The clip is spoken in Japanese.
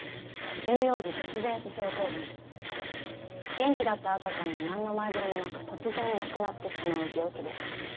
元気だった赤ちゃんが何の前触れもなく突然亡くなってしまう病気です。